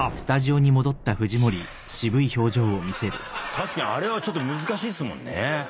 確かにあれはちょっと難しいっすもんね。